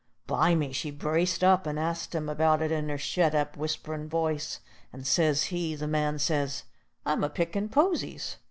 Bimeby she braced up, and she asked him about it in her shet up, whisp'rin' voice. And says he, the man says: "I'm a pickin' posies.